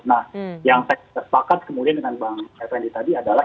nah yang saya sepakat kemudian dengan bang effendi tadi adalah